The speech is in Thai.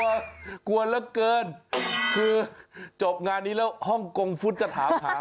กลัวกลัวเหลือเกินคือจบงานนี้แล้วฮ่องกงฟุตจะถามหา